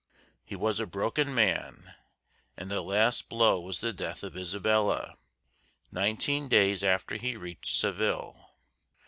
He was a broken man, and the last blow was the death of Isabella, nineteen days after he reached Seville.